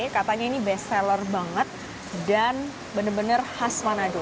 katanya ini best seller banget dan benar benar khas manado